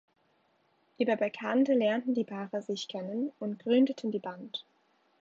Über Bekannte lernten die Paare sich kennen und gründeten die Band.